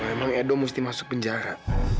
emang edo mesti masuk penjara